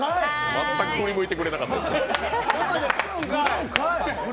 全く振り向いてくれなかったですよ。